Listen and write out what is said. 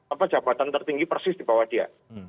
apa jabatan tertinggi persis dibawah dia